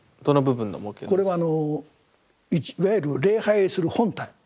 これはあのいわゆる礼拝する本体。